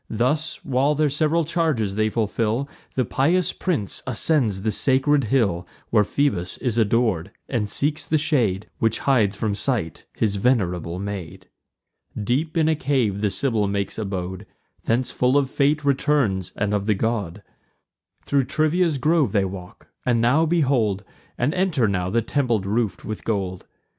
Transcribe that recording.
Thus, while their sev'ral charges they fulfil, The pious prince ascends the sacred hill Where Phoebus is ador'd; and seeks the shade Which hides from sight his venerable maid. Deep in a cave the Sibyl makes abode; Thence full of fate returns, and of the god. Thro' Trivia's grove they walk; and now behold, And enter now, the temple roof'd with gold.